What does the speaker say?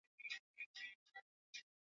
wote kule mashsriki ya kati kwa kuwapa viza